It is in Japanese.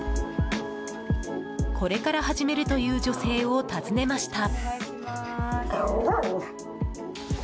これから始めるという女性を訪ねました。